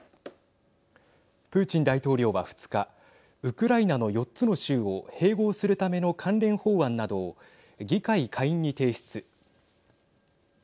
プーチン大統領は２日ウクライナの４つの州を併合するための関連法案などを議会下院に提出。